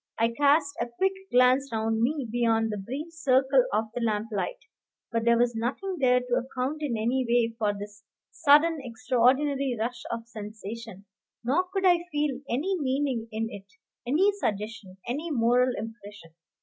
I cast a quick glance round me beyond the brief circle of the lamplight, but there was nothing there to account in any way for this sudden extraordinary rush of sensation, nor could I feel any meaning in it, any suggestion, any moral impression.